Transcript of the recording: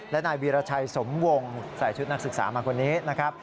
และนายวีรชัยสมวงใส่ชุดนักศึกษามาคนนี้นะครับ